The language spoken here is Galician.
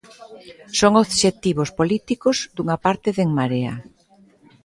Son obxectivos políticos dunha parte de En Marea.